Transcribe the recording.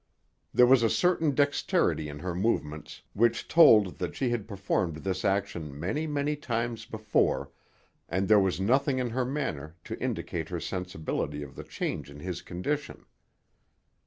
There was a certain dexterity in her movements which told that she had performed this action many, many times before, and there was nothing in her manner to indicate her sensibility of the change in his condition.